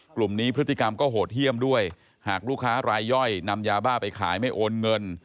กลุ่มนี้พฤติกรรมก็โหดเยี่ยมด้วยหากลูกค้ารายย่อยนำยาบ้าไปขายไม่โอนเงิน